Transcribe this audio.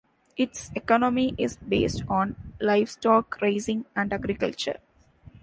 Its economy is based on livestock raising and agriculture.